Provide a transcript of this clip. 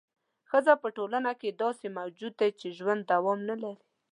ښځه په ټولنه کې داسې موجود دی چې ژوند دوام نه لري.